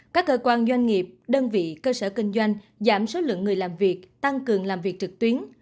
các cơ quan doanh nghiệp đơn vị cơ sở kinh doanh giảm số lượng người làm việc tăng cường làm việc trực tuyến